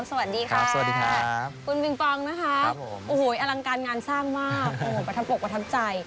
สวัสดีค่ะคุณปิงปองนะคะโอ้โฮอลังการงานสร้างมากวัฒนปกประทับใจ